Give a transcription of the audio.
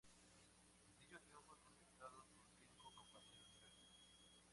Dichos triunfos conquistados con cinco compañeros diferentes.